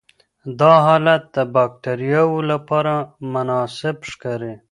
دا حالت د باکټریاوو لپاره مناسب ښکاري.